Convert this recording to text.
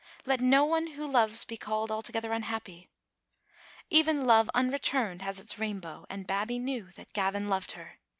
Let no one who loves be called altogether unhappy. Even love unretumed has its rainbow, and Babbie knew that Gavin loved her.